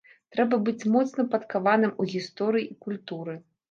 Трэба быць моцна падкаваным у гісторыі і культуры.